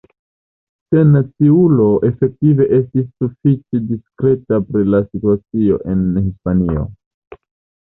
Sennaciulo efektive estis sufiĉe diskreta pri la situacio en Hispanio.